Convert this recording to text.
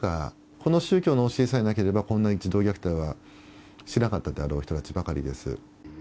この宗教の教えさえなければ、こんな児童虐待はしなかったであろう人たちばかりです。